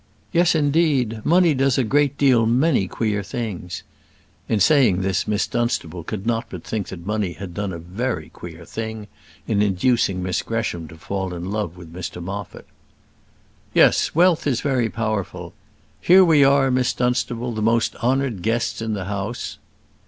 "Yes, indeed; money does a great deal many queer things." In saying this Miss Dunstable could not but think that money had done a very queer thing in inducing Miss Gresham to fall in love with Mr Moffat. "Yes; wealth is very powerful: here we are, Miss Dunstable, the most honoured guests in the house."